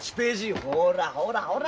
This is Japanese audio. ほらほらほら！